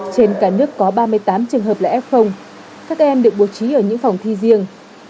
trên cả nước có ba mươi tám trường hợp là f các em được bố trí ở những phòng thi riêng